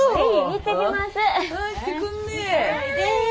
行ってきます。